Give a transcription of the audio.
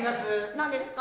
何ですか？